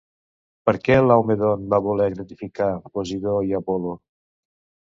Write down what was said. Per què Laomedont va voler gratificar Posidó i Apol·lo?